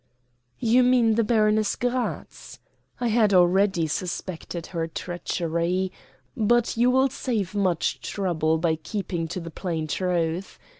"You mean the Baroness Gratz. I had already suspected her treachery; but you will save much trouble by keeping to the plain truth.